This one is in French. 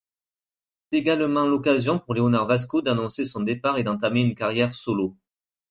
C'est également l'occasion pour Léonard Vasco d'annoncer son départ et d'entamer une carrière solo.